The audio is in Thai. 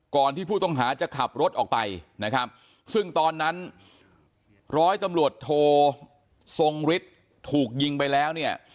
ก่อนที่ผู้ต้องหาจะขับรถออกไปนะครับซึ่งตอนนั้นร้อยตำรวจโททรงฤทธิ์ถูกยิงไปแล้วเนี่ย